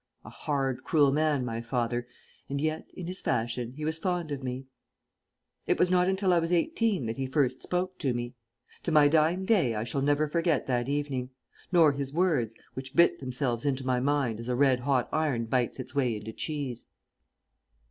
A hard, cruel man, my father, and yet, in his fashion, he was fond of me. It was not until I was eighteen that he first spoke to me. To my dying day I shall never forget that evening; nor his words, which bit themselves into my mind as a red hot iron bites its way into cheese.